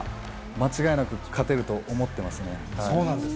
間違いなく勝てると思ってまそうなんですね。